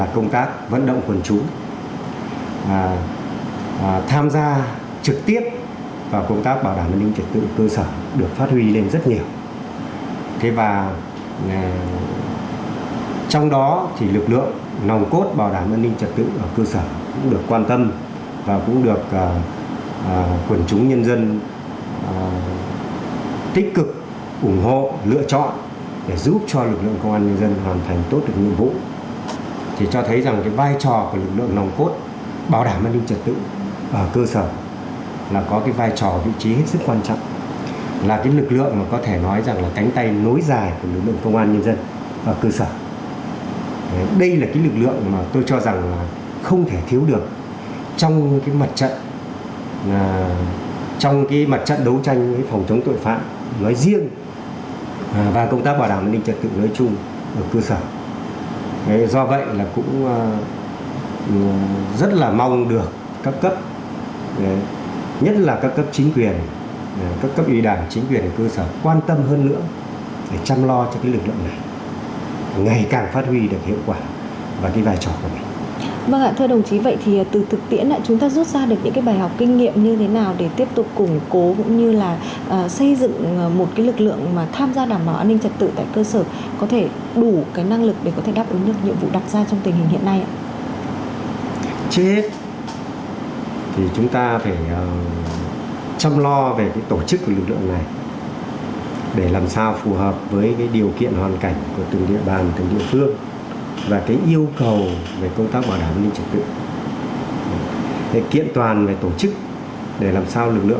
công an xã bán chuyên trách tiếp tục tham gia bán chuyên trách tiếp tục tham gia bán chuyên trách tiếp tục tham gia bán chuyên trách tiếp tục tham gia bán chuyên trách tiếp tục tham gia bán chuyên trách tiếp tục tham gia bán chuyên trách tiếp tục tham gia bán chuyên trách tiếp tục tham gia bán chuyên trách tiếp tục tham gia bán chuyên trách tiếp tục tham gia bán chuyên trách tiếp tục tham gia bán chuyên trách tiếp tục tham gia bán chuyên trách tiếp tục tham gia bán chuyên trách tiếp tục tham gia bán chuyên trách tiếp tục tham gia bán chuyên trách tiếp tục tham gia bán chuyên trách tiếp tục tham gia bán chuyên trách tiếp tục tham gia